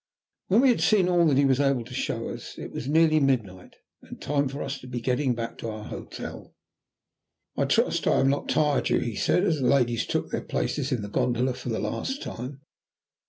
When we had seen all that he was able to show us it was nearly midnight, and time for us to be getting back to our hotel. "I trust I have not tired you?" he said, as the ladies took their places in the gondola for the last time.